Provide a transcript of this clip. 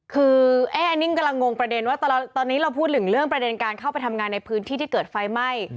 คืออันนี้กำลังงงประเด็นว่าตอนนี้เราพูดถึงเรื่องประเด็นการเข้าไปทำงานในพื้นที่ที่เกิดไฟไหม้